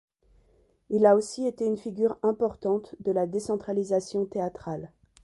Il a aussi été une figure importante de la décentralisation théâtrale.